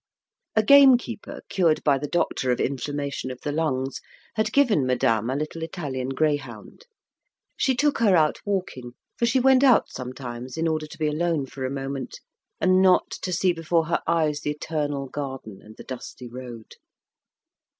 A gamekeeper, cured by the doctor of inflammation of the lungs, had given madame a little Italian greyhound; she took her out walking, for she went out sometimes in order to be alone for a moment, and not to see before her eyes the eternal garden and the dusty road.